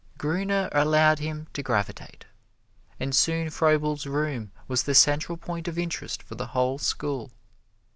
Gruner allowed him to gravitate. And soon Froebel's room was the central point of interest for the whole school.